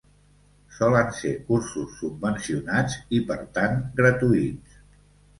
Solen ser cursos subvencionats i, per tant, gratuïts.